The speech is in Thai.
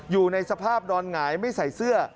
อยู่ในสภาพนอนหงายไม่ใส่เสื้อ